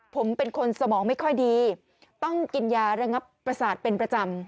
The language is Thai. ผมเป็นคนสมองไม่ค่อยดีต้องกินยาระงับประสาทเป็นประจำ